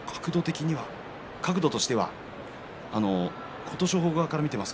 角度としては琴勝峰側から見ています。